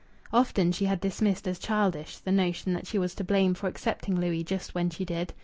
Often she had dismissed as childish the notion that she was to blame for accepting Louis just when she did.